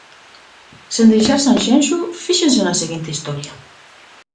Sen deixar Sanxenxo, fíxense na seguinte historia.